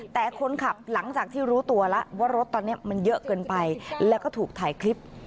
แต่คนขับหลังจากที่รู้ตัวแล้วว่ารถตอนนี้มันเยอะเกินไปแล้วก็ถูกถ่ายคลิป